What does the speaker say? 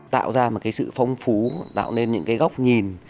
tạo ra một cái sự phong phú tạo nên những cái góc nhìn